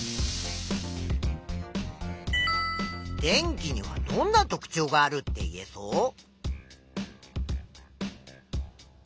電気にはどんな特ちょうがあるって言えそう？